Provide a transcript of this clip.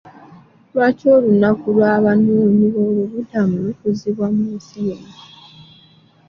Lwaki olunaku lw'abanoonyi b'obubuddamu lukuzibwa mu nsi yonna.